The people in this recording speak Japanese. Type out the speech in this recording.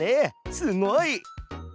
すごい！